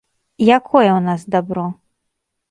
Якое ў нас дабро?